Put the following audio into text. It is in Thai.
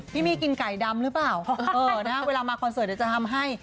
พี่บี้กินไก่ดำหรือเปล่าเออนะเวลามาคอนเสิร์ตจะทำให้